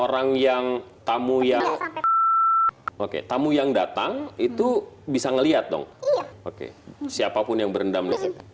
orang orang yang tamu ya oke tamu yang datang itu bisa ngelihat dong oke siapapun yang berendam